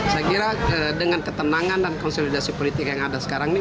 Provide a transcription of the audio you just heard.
saya kira dengan ketenangan dan konsolidasi politik yang ada sekarang ini